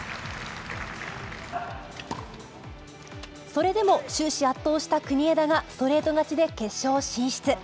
それでも終始圧倒した国枝がストレート勝ちで決勝進出。